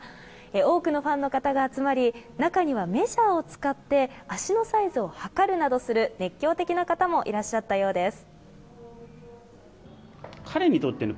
多くのファンの方が集まり中にはメジャーを使って足のサイズを測るなどする熱狂的な方もいらっしゃったようです。